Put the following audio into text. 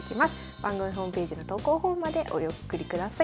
番組ホームページの投稿フォームまでお送りください。